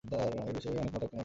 এ বিষয়ে অনেক মতানৈক্য আছে।